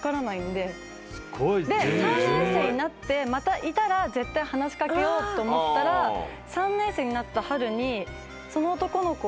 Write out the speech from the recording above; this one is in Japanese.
で３年生になってまたいたら絶対話し掛けようと思ったら３年生になった春にその男の子を。